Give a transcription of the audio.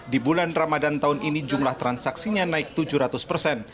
di bulan ramadan tahun ini jumlah transaksinya naik tujuh ratus persen